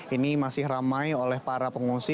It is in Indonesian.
ini masih ramai oleh para pengungsi